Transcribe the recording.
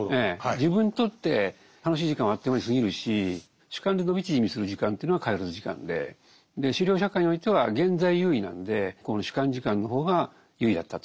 自分にとって楽しい時間はあっという間に過ぎるし主観で伸び縮みする時間というのがカイロス時間で狩猟社会においては現在優位なのでこの主観時間の方が優位だったと。